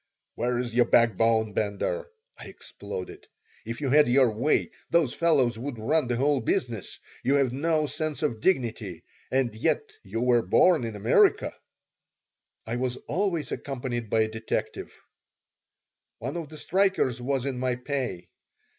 "Where's your backbone, Bender?" I exploded. "If you had your way, those fellows would run the whole business. You have no sense of dignity. And yet you were born in America." I was always accompanied by a detective One of the strikers was in my pay.